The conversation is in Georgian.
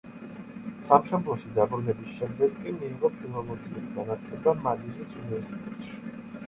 სამშობლოში დაბრუნების შემდეგ კი მიიღო ფილოლოგიური განათლება მანილის უნივერსიტეტში.